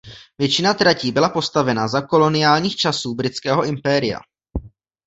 Většina tratí byla postavena za koloniálních časů Britského impéria.